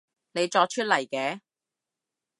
你作出嚟嘅